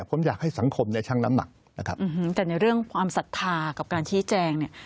ผมอยากให้สังคมเนี่ยช่างน้ำหนักนะครับแต่ในเรื่องความศรัทธากับการชี้แจงเนี่ย